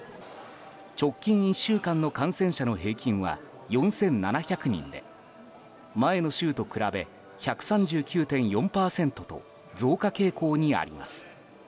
直近１週間の感染者の平均は４７００人で前の週と比べ１３９．４％と増加傾向にあります。